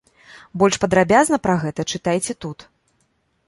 Больш падрабязна пра гэта чытайце тут.